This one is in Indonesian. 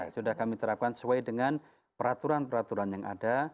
sudah kami terapkan sesuai dengan peraturan peraturan yang ada